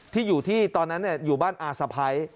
ที่อยู่ที่ตอนนั้นอยู่บ้านอาสะพ้าย